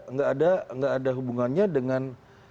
nggak ada hubungannya dengan